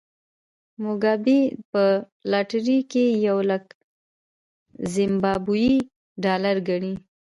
موګابي په لاټرۍ کې یو لک زیمبابويي ډالر ګټي.